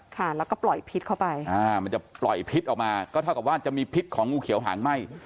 ค่ะแล้วก็ปล่อยพิษเข้าไปอ่ามันจะปล่อยพิษออกมาก็เท่ากับว่าจะมีพิษของงูเขียวหางไหม้